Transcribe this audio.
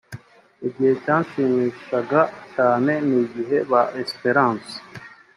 Igihe cyanshimishaga cyane ni igihe ba Espérance